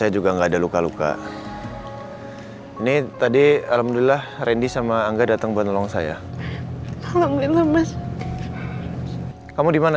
juga enggak ada luka luka ini tadi alhamdulillah rendy sama angga datang bantuan saya kamu dimana